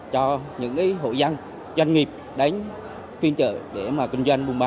cho những hội dân doanh nghiệp đến phiền chợ để mà kinh doanh buôn bán